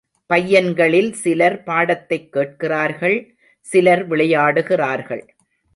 பையன்களில் சிலர் பாடத்தைக் கேட்கிறார்கள், சிலர் விளையாடுகிறார்கள்.